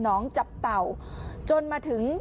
น้องจับเต่าจนมาถึง